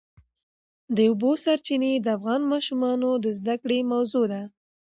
د اوبو سرچینې د افغان ماشومانو د زده کړې موضوع ده.